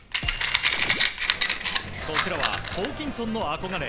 こちらはホーキンソンの憧れ